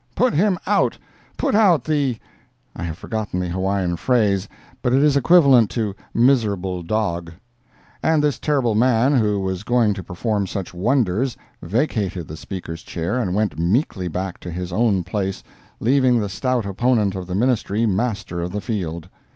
put him out! put out the——!" [I have forgotten the Hawaiian phrase, but it is equivalent to "miserable dog."] And this terrible man who was going to perform such wonders, vacated the Speaker's chair and went meekly back to his own place, leaving the stout opponent of the Ministry master of the field.